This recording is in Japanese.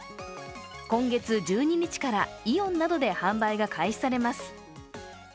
今月１２日からイオンなどで販売が開始されます。